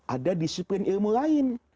ada disiplin ilmu lain